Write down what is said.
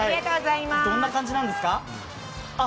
どんな感じなんですか？